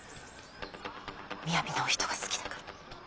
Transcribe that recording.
雅なお人が好きだから。